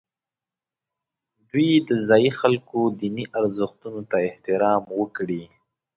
دوی د ځایي خلکو دیني ارزښتونو ته احترام وکړي.